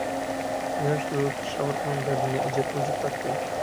ياش تۇرۇپ چىش ئاغرىقىنىڭ دەردىنى ئەجەبمۇ جىق تارتتىم.